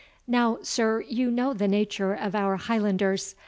Now, sir, you know the nature of our Highlanders.